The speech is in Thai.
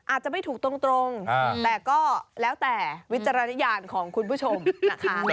อาจจะไม่ถูกตรงแต่ก็แล้วแต่วิจารณญาณของคุณผู้ชมนะคะ